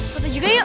sother juga yuk